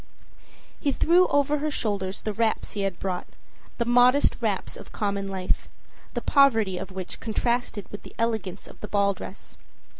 He threw over her shoulders the wraps he had brought, the modest wraps of common life, the poverty of which contrasted with the elegance of the ball dress.